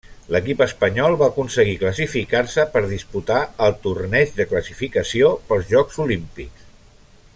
L'equip espanyol va aconseguir classificar-se per disputar el torneig de classificació pels jocs olímpics.